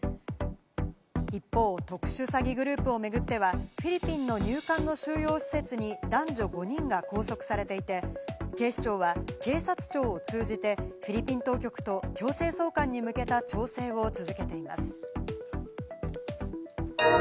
一方、特殊詐欺グループをめぐっては、フィリピンの入管の収容施設に男女５人が拘束されていて、警視庁は警察庁を通じてフィリピン当局と強制送還に向けた調整を続けています。